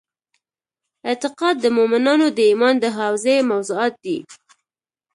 اعتقاد د مومنانو د ایمان د حوزې موضوعات دي.